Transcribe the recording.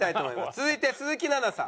続いて鈴木奈々さん。